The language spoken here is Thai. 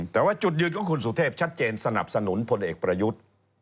แต่ว่าจุดยืนของคุณสุเทพชัดเจนสนับสนุนพลเอกประยุทธ์